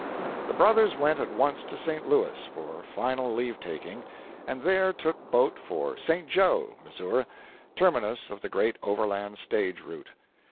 The brothers went at once to St. Louis for final leave taking, and there took boat for "St. Jo," Missouri, terminus of the great Overland Stage Route.